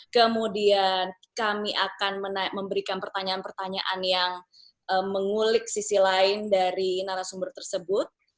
kemudian kami akan memberikan pertanyaan pertanyaan yang mengulik sisi lain dari narasumber tersebut